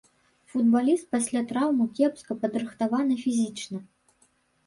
Футбаліст пасля траўмы кепска падрыхтаваны фізічна.